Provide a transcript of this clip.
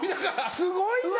すごいな。